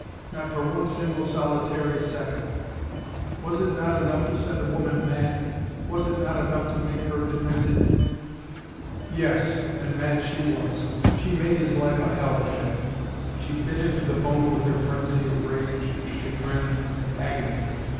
Not for one single solitary second! Was it not enough to send a woman mad! Was it not enough to make her demented! Yes, and mad she was. She made his life a hell for him. She bit him to the bone with her frenzy of rage, chagrin, and agony.